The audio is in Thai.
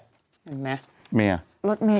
เห็นไหม